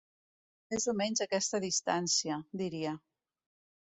Més o menys aquesta distància, diria.